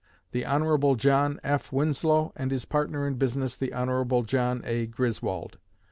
the Hon. John F. Winslow and his partner in business, the Hon. John A. Griswold.